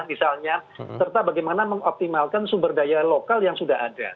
misalnya serta bagaimana mengoptimalkan sumber daya lokal yang sudah ada